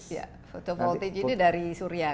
photo voltage ini dari surya kan